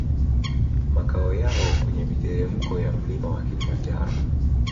Makao yao kwenye miteremko ya mlima wa Kilimanjaro